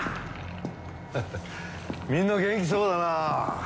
ハハッみんな元気そうだな。